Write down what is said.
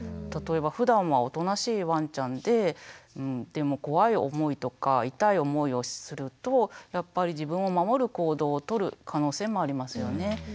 例えばふだんはおとなしいワンちゃんででも怖い思いとか痛い思いをするとやっぱり自分を守る行動をとる可能性もありますよね。